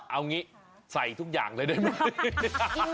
เอางี้ใส่ทุกอย่างเลยด้วยมั้ย